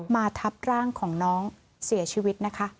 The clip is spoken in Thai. ทับร่างของน้องเสียชีวิตนะคะ